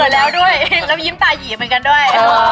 แล้วด้วยแล้วยิ้มตายีเหมือนกันด้วย